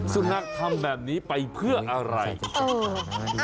สุดท้ายทำแบบนี้ไปเพื่ออะไรเออ